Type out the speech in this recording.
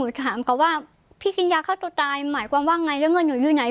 ถามเขาว่าพี่กินยาฆ่าตัวตายหมายความว่าไงแล้วเงินหนูอยู่ไหน